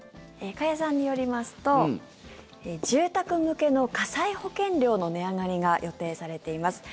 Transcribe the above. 加谷さんによりますと住宅向けの火災保険料の値上がりが予定されています。